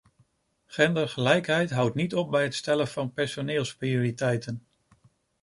Gendergelijkheid houdt niet op bij het stellen van personeelsprioriteiten.